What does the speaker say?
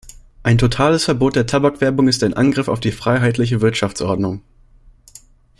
Ein totales Verbot der Tabakwerbung ist ein Angriff auf die freiheitliche Wirtschaftsordnung.